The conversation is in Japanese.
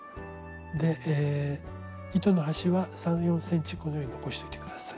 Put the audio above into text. で糸の端は３４ｃｍこのように残しといて下さい。